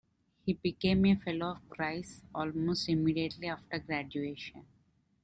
He became a Fellow of Christ's almost immediately after graduation.